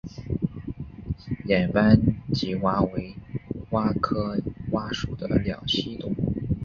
眼斑棘蛙为蛙科蛙属的两栖动物。